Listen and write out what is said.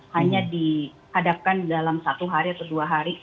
hanya dihadapkan dalam satu hari atau dua hari